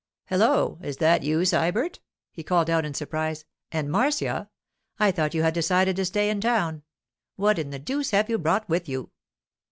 'Hello! is that you, Sybert?' he called out in surprise. 'And, Marcia! I thought you had decided to stay in town—what in the deuce have you brought with you?